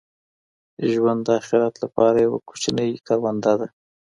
ژوند د اخیرت لپاره یوه کوچنۍ کرونده ده.